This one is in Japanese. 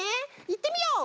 いってみよう！